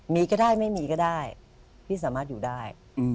มีก็ได้ไม่มีก็ได้พี่สามารถอยู่ได้